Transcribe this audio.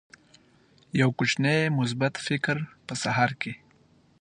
یو کوچنی مثبت فکر په سهار کې